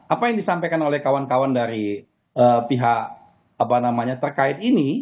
apa yang disampaikan oleh kawan kawan dari pihak apa namanya terkait ini